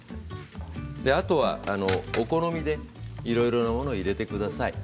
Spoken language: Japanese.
あとはお好みでいろいろなものを入れてください。